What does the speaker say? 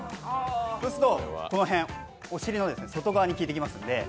そうすると、お尻の外側に効いてきますので。